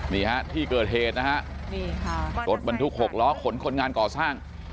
๙นี่ครับที่เกิดเหตุนะครับรถบรรทุกหกล้อขนคนงานก่อสร้าง